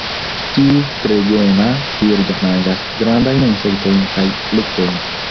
Tiu gregema birdo manĝas grandajn insektojn kaj fruktojn.